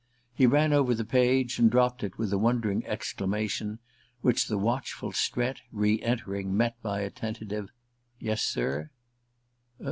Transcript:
He ran over the page and dropped it with a wondering exclamation, which the watchful Strett, re entering, met by a tentative "Yes, sir?"